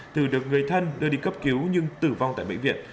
thường được người thân đưa đi cấp cứu nhưng tử vong tại bệnh viện